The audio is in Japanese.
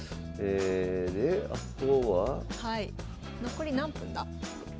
残り何分だ？